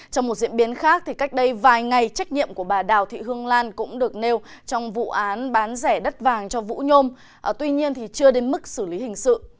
trong một diễn biến khác cách đây vài ngày trách nhiệm của bà đào thị hương lan cũng được nêu trong vụ án bán rẻ đất vàng cho vũ nhôm tuy nhiên chưa đến mức xử lý hình sự